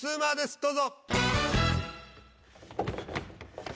どうぞ。